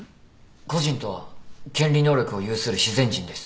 個人とは権利能力を有する自然人です。